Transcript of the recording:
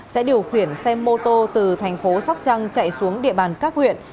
sẽ điều khiển xe mô tô từ thành phố sóc trăng chạy xuống địa bàn các huyện